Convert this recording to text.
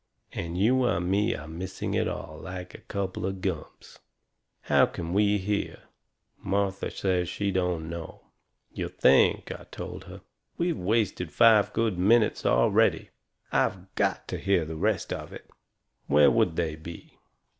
And you and me are missing it all, like a couple of gumps. How can we hear?" Martha says she don't know. "You THINK," I told her. "We've wasted five good minutes already. I've GOT to hear the rest of it. Where would they be?"